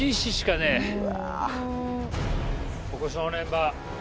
ここ正念場。